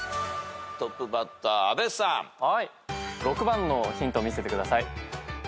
６番のヒント見せてください。